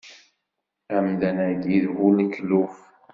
Amdan-agi d bu lekluf.